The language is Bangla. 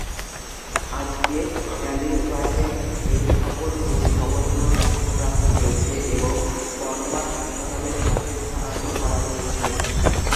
আজকে "অ্যালিডব্যাকেন"-এর সকল মূল ভবনগুলো ধ্বংসপ্রাপ্ত হয়েছে এবং বর্তমান হাসপাতালের সাথে স্থানান্তর করা হয়েছে।